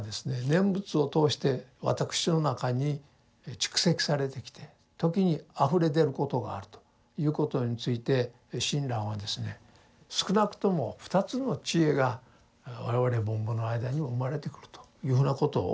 念仏を通して私の中に蓄積されてきて時にあふれ出ることがあるということについて親鸞はですね少なくとも２つの智慧が我々凡夫の間にも生まれてくるというふうなことを述べています。